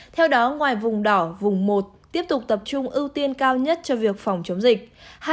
theo đó ngoài vùng đỏ vùng một tiếp tục tập trung ưu tiên cao nhất cho việc phòng chống dịch